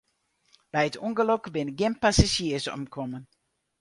By it ûngelok binne gjin passazjiers omkommen.